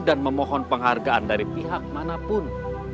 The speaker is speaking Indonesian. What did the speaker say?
dan memohon penghargaan dari pihak manapun